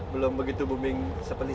belum begitu booming seperti